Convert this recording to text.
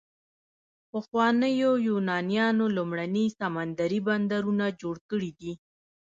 پخوانیو یونانیانو لومړني سمندري بندرونه جوړ کړي دي.